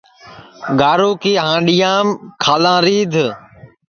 گارو کی ہانڈؔیام کھالاں رِیدھ